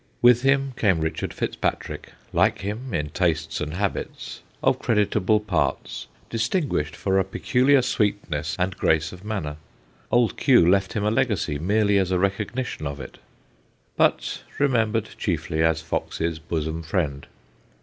With him came Richard Fitz Patrick, like him in tastes and habits, of creditable parts, distinguished for a peculiar sweetness and grace of manner Old Q. left him a legacy merely as a recognition of it but remembered chiefly as Fox's bosom friend.